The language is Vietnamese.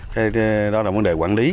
thế đó là vấn đề quản lý